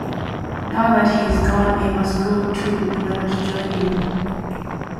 Now that he is gone, I must go too in order to join him.